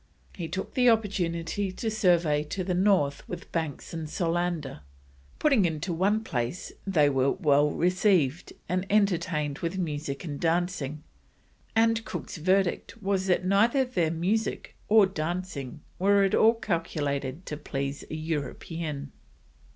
He took the opportunity to survey to the north with Banks and Solander. Putting into one place, they were well received and entertained with music and dancing, and Cook's verdict was that "neither their Musick or Dancing were at all calculated to please a European."